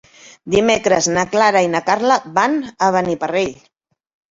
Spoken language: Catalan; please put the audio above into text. Dimecres na Clara i na Carla van a Beniparrell.